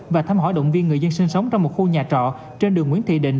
và thăm hỏi động viên người dân sinh sống trong một khu nhà trọ trên đường nguyễn thị định